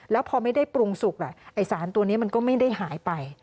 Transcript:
แล้วพอไม่ได้ปรุงสุกไอ้สารตัวนี้มันก็ไม่ได้หายไป